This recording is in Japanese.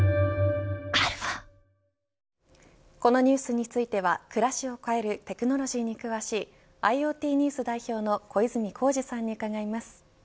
このニュースについては暮らしを変えるテクノロジーに詳しいＩｏＴＮＥＷＳ代表の小泉耕二さんに伺います。